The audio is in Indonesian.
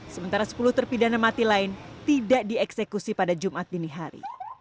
sementara sepuluh terpidana mati lain tidak dieksekusi pada jumat dini hari